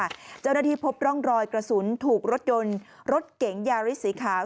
เจ้าหน้าที่พบร่องรอยกระสุนถูกรถยนต์รถเก๋งยาริสสีขาว